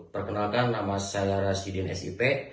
perkenalkan nama saya rasidin s i p